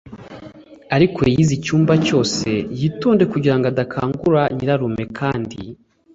ariko yize icyumba cyose, yitonde kugirango adakangura nyirarume kandi